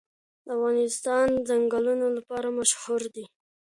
افغانستان د ځنګلونه لپاره مشهور دی.